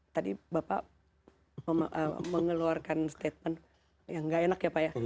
tadi bapak mengeluarkan statement yang gak enak ya pak ya